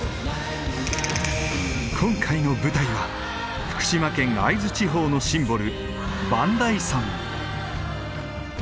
今回の舞台は福島県会津地方のシンボル磐梯山。